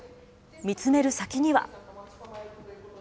見つめる先には。